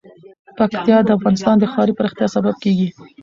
پکتیا د افغانستان د ښاري پراختیا سبب کېږي.